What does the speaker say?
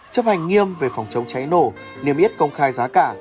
chấp hành nghiêm về phòng chống cháy nổ niềm yết công khai giá cả